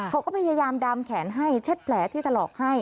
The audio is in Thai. เขาก็พยายามดามแขนให้เช็ดแผลที่ถลอกให้